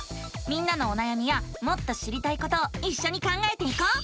みんなのおなやみやもっと知りたいことをいっしょに考えていこう！